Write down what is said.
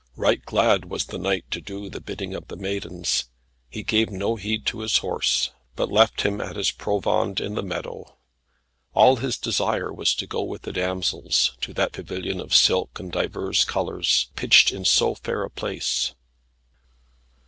Right glad was the knight to do the bidding of the maidens. He gave no heed to his horse, but left him at his provand in the meadow. All his desire was to go with the damsels, to that pavilion of silk and divers colours, pitched in so fair a place.